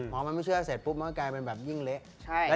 พอมันไม่เชื่อเสร็จปุ๊บมันก็กลายเป็นแบบยิ่งเละ